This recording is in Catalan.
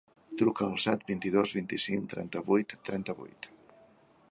Truca al set, vint-i-dos, vint-i-cinc, trenta-vuit, trenta-vuit.